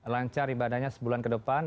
lancar ibadahnya sebulan ke depan